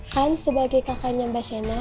kan sebagai kakaknya mbak shena